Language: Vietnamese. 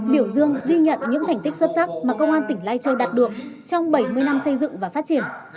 biểu dương ghi nhận những thành tích xuất sắc mà công an tỉnh lai châu đạt được trong bảy mươi năm xây dựng và phát triển